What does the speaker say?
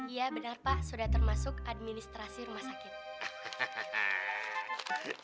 iya benar pak sudah termasuk administrasi rumah sakit